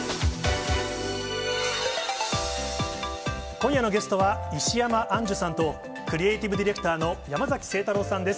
今夜のゲストは、石山アンジュさんと、クリエーティブディレクターの山崎晴太郎さんです。